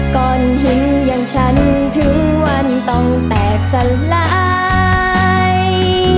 ก่อนเห็นอย่างฉันถึงวันต้องแตกสลาย